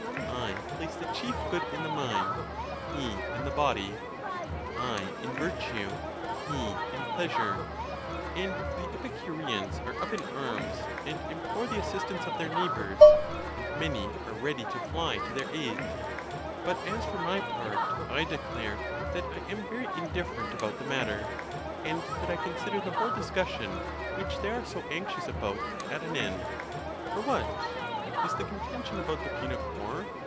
I place the chief good in the mind, he in the body; I in vir tue, he in pieasure; and the Epicureans are up in arms, and implore the assistance of their neighbors, and many are ready to fly to their aid. But as for my part, I de clare that I am very indifferent about the matter, and that I consider the whole discussion which they are so anxious about at an end. For what! is the contention about the Punic war?